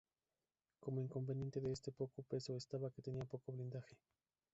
Como inconveniente de este poco peso estaba que tenía poco blindaje.